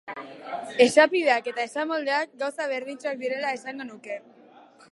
Esapideak eta esamoldeak gauza berdintsuak direla esango nuke.